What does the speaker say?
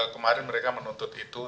kemarin mereka menuntut itu